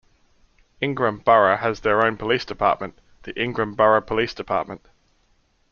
Ingram borough has their own police department, the Ingram Borough Police Department.